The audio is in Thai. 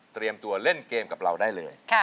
เตรียมตัวเล่นเกมกับเราได้เลย